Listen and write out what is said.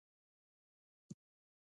ښوروا له حلالې غوښې سره جوړیږي.